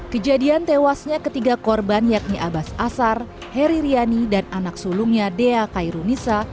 kejadian tewasnya ketiga korban yakni abbas asar heri riani dan anak sulungnya dea khairunisa